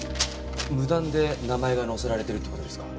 無断で名前が載せられてるって事ですか？